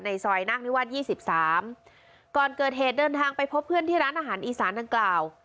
ซอยนาคนิวาสยี่สิบสามก่อนเกิดเหตุเดินทางไปพบเพื่อนที่ร้านอาหารอีสานดังกล่าว